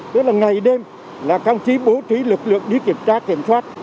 tức là ngày đêm là các ông chí bố trí lực lượng đi kiểm tra kiểm soát